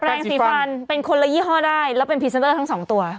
แรงสีฟันเป็นคนละยี่ห้อได้แล้วเป็นพรีเซนเตอร์ทั้งสองตัว